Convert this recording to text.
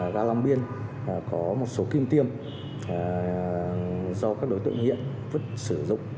gã long biên có một số kim tiêm do các đối tượng nghiện vứt sử dụng